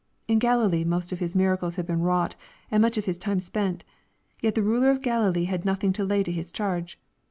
In Galilee most of His miracles had been wrought, and much of His time spent. Yet the ruler of Galilee had nothing to lay to His charge.